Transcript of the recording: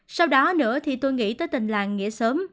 sau đó nữa thì tôi nghĩ tới tình làng nghĩa sớm